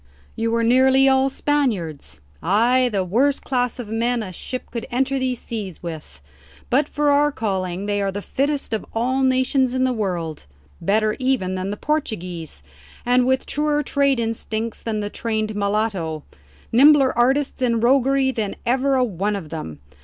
"You were nearly all Spaniards?" "Ay; the worst class of men a ship could enter these seas with. But for our calling they are the fittest of all the nations in the world; better even than the Portuguese, and with truer trade instincts than the trained mulatto nimbler artists in roguery than ever a one of them.